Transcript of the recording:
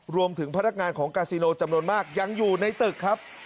รวมถึงพนักงานของกาซิโลจำนวนมากยังอยู่ในตึกครับ